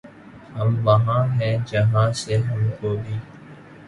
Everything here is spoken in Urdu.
ہم وہاں ہیں جہاں سے ہم کو بھی